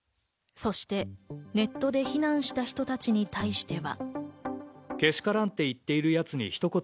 そして、ネットで非難した人たちに対しては。